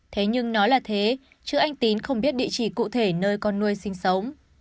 thế nhưng nói là thế chứ anh tín không biết địa chỉ cụ thể nơi con nuôi sinh sống